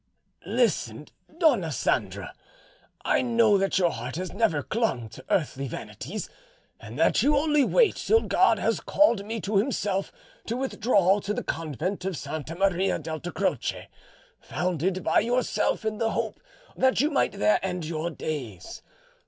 "Listen, Dona Sandra. I know that your heart has never clung to earthly vanities, and that you only wait till God has called me to Himself to withdraw to the convent of Santa Maria delta Croce, founded by yourself in the hope that you might there end your days.